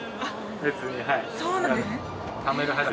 別にはい。